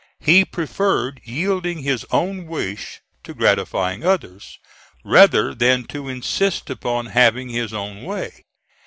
He preferred yielding his own wish to gratify others, rather than to insist upon having his own way.